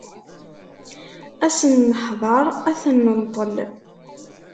Ad sen-neḥder ad ten-nenṭel.